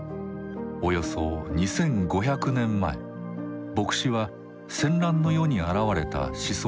およそ２，５００年前墨子は戦乱の世に現れた思想家です。